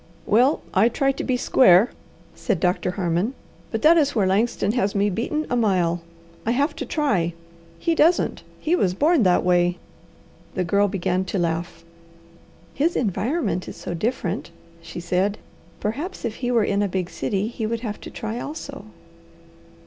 "Well I try to be square," said Doctor Harmon, "but that is where Langston has me beaten a mile. I have to try. He doesn't. He was born that way." The Girl began to laugh. "His environment is so different," she said. "Perhaps if he were in a big city, he would have to try also."